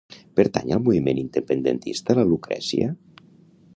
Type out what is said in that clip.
Pertany al moviment independentista la Lucrecia?